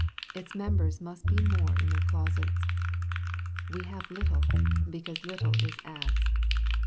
Its members must be more iq their closets. '' We have little," because little is asked.